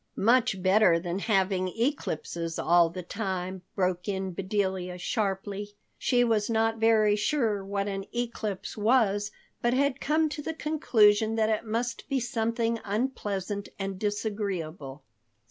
"Much better than having eclipses all the time," broke in Bedelia sharply. She was not very sure what an eclipse was, but had come to the conclusion that it must be something unpleasant and disagreeable.